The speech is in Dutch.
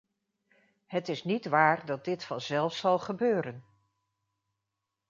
Het is niet waar dat dit vanzelf zal gebeuren.